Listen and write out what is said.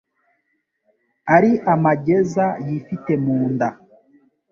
Ari amageza yifite mu nda!